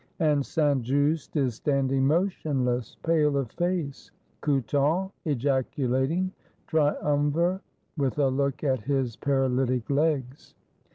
And Saint Just is standing motionless, pale of face; Couthon ejaculating, "Triumvir?" with a look at his paralytic legs.